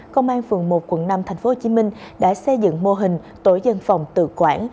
công an phường một quận năm tp hcm đã xây dựng mô hình tổ dân phòng tự quản